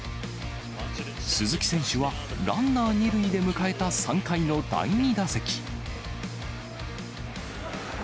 鈴木選手はランナー２塁で迎えた３回の第２打席。